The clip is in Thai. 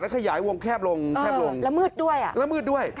แล้วขยายวงแคบลงแล้วมืดด้วย